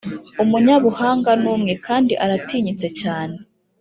Umunyabuhanga ni umwe, kandi aratinyitse cyane,